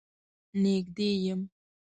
نږدې يم.